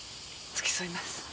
付き添います。